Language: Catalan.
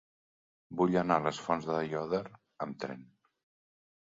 Vull anar a les Fonts d'Aiòder amb tren.